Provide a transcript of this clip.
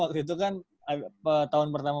waktu itu kan tahun pertama